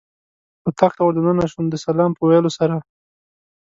اتاق ته ور دننه شوم د سلام په ویلو سره.